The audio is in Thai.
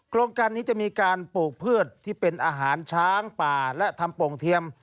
โครงการนี้จะมีการปลูกพืชที่เป็นอาหารช้างป่าและทำโป่งเทียม